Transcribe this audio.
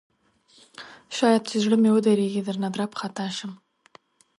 شاید چې زړه مې ودریږي درنه درب خطا شم